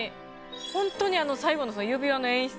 本当に最後の指輪の演出